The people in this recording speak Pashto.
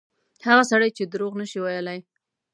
هغه سړی چې دروغ نه شي ویلای.